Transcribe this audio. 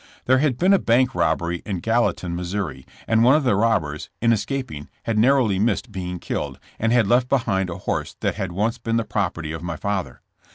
There had been a bank rob bery in Gallatin, Mo., and one of the robbers, in es caping, had narrowly missed being killed, and had left behind a horse that had once been the property of my father.